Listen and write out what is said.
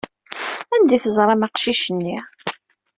Anda ay teẓram aqcic-nni?